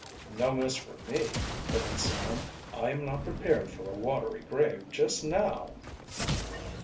"No miss for me," put in Sam. "I am not prepared for a watery grave just now."